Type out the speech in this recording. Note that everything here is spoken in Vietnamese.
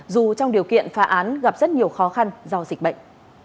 dù trong điều kiện phá án gặp rất nhiều khó khăn do dịch bệnh